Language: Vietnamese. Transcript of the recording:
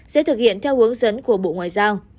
sẽ thực hiện theo hướng dẫn của bộ ngoại giao